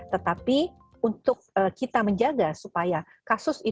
tetapi untuk kita menjaga supaya kasus itu tidak akan terjadi